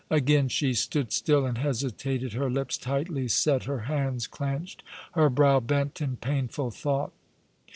Again she stood still and hesitated, her lips tightly set, her hands clenched, her brow bent in painful thought.